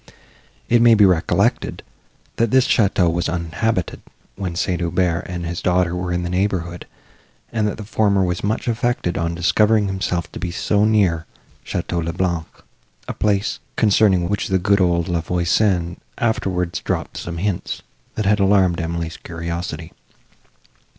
It may be recollected, that this château was uninhabited, when St. Aubert and his daughter were in the neighbourhood, and that the former was much affected on discovering himself to be so near Château le Blanc, a place, concerning which the good old La Voisin afterwards dropped some hints, that had alarmed Emily's curiosity.